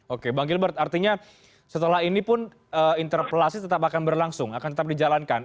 oke bang gilbert artinya setelah ini pun interpelasi tetap akan berlangsung akan tetap dijalankan